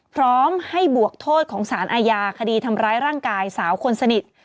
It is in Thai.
พร้อมให้บวกโทษของสารอาญาคดีทำร้ายร่างกายสาวคนสนิท